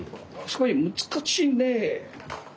すごい難しいねえ。